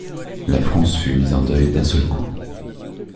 La France fut mise en deuil d’un seul coup.